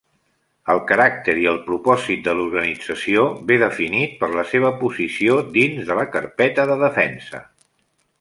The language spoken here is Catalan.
El caràcter i el propòsit de l'organització ve definit per la seva posició dins de la carpeta de Defensa.